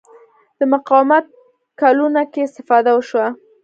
د مقاومت کلونو کې استفاده وشوه